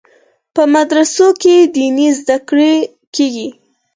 په مدرسو کې دیني زده کړې کیږي.